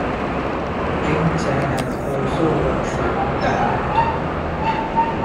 Pink-chan has also once said damnit!